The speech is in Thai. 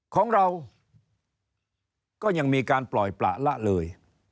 ของเราก็ยังมีการปล่อยประละเลย